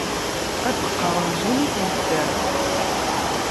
Ad d-qqaṛen zun-it yedder.